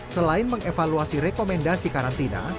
selain mengevaluasi rekomendasi karantina